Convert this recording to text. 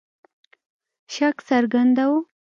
شک څرګنداوه.